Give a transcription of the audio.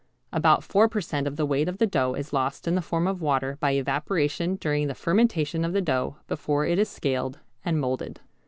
About four per cent. of the weight of the dough is lost in the form of water by evaporation during the fermentation of the dough before it is scaled and moulded.